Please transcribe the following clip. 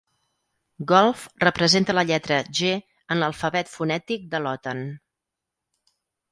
Golf representa la lletra "g" en l'alfabet fonètic de l'OTAN.